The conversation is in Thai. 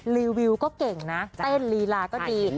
รีวิวก็เก่งนะเต้นลีลาก็ดี